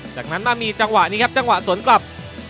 จากนั้นมามีจังหวะนี้ครับจังหวะสวนกลับ